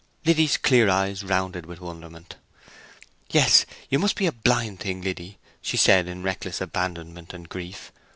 Liddy's clear eyes rounded with wonderment. "Yes; you must be a blind thing, Liddy!" she said, in reckless abandonment and grief.